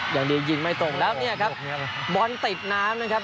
อย่างเดียวยิงไม่ตรงแล้วเนี่ยครับบอลติดน้ำนะครับ